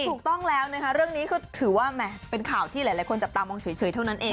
ถูกต้องแล้วนะคะเรื่องนี้คือถือว่าเป็นข่าวที่หลายคนจับตามองเฉยเท่านั้นเอง